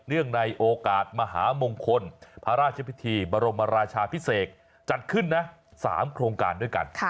ในโอกาสมหามงคลพระราชพิธีบรมราชาพิเศษจัดขึ้นนะ๓โครงการด้วยกัน